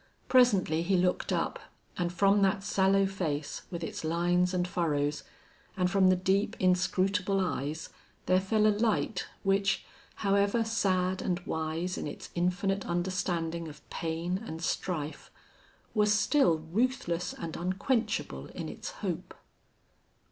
Presently he looked up, and from that sallow face, with its lines and furrows, and from the deep, inscrutable eyes, there fell a light which, however sad and wise in its infinite understanding of pain and strife, was still ruthless and unquenchable in its hope.